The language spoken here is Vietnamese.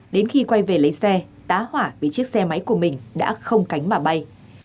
đến khi quay về lấy xe tá hỏa vì chiếc xe máy của mình đã không cánh mà bay